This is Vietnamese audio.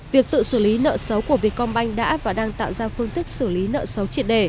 việc tự xử lý nợ xấu của vietcombank đã và đang tạo ra phương thức xử lý nợ xấu triệt đề